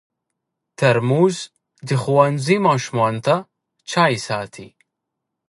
ترموز د ښوونځي ماشومانو ته چای ساتي.